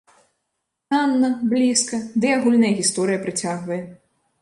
Танна, блізка, дый агульная гісторыя прыцягвае.